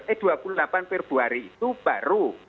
eh dua puluh delapan februari itu baru